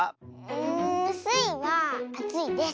んスイはあついです。